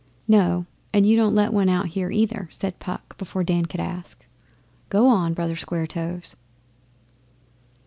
'No, and you don't let out one here, either,' said Puck before Dan could ask. 'Go on, Brother Square toes.